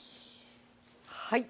はい